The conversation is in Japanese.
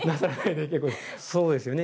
そうですよね。